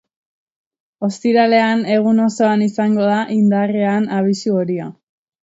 Ostiralean, egun osoan izango da indarrean abisu horia.